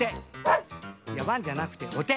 いやワンじゃなくておて！